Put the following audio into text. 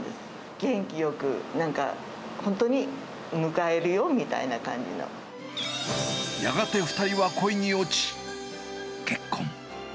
元気よく、なんか本当に迎えるよやがて２人は恋に落ち、結婚。